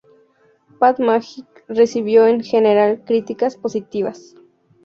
Bad magic recibió en general críticas positivas.